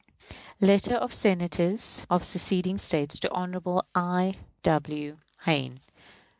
_ _Letter of Senators of seceding States to Hon. I. W. Hayne.